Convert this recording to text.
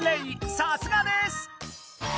さすがです！